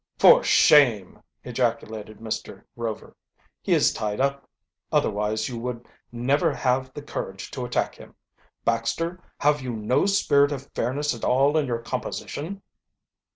"For shame!" ejaculated Mr. Rover. "He is tied up, otherwise you would never have the courage to attack him. Baxter, have you no spirit of fairness at all in your composition?"